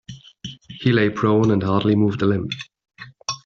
He lay prone and hardly moved a limb.